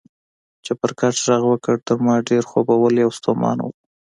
چپرکټ غږ وکړ، تر ما ډېر خوبولی او ستومانه و.